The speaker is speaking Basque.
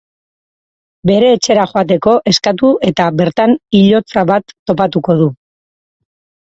Bere etxera joateko eskatu eta bertan hilotza bat topatuko du.